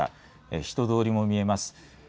人通りも見えます。